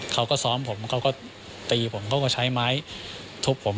เขาก็ซ้อมผมเขาก็ตีผมเขาก็ใช้ไม้ทุบผม